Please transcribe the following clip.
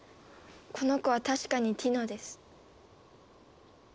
この子は確かにティノです。